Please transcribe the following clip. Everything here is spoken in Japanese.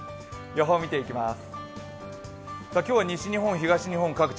予報を見ていきます。